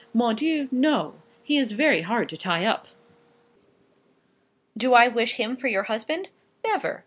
Mon Dieu, no. He is very hard to tie up. Do I wish him for your husband? Never!